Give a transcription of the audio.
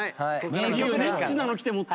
ニッチなの来てもっと。